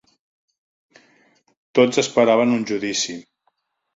Tots esperaven un judici.